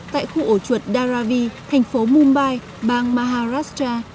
tại khu ổ chuột daravi thành phố mumbai bang maharastcha